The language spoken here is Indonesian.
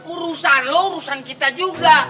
urusan urusan kita juga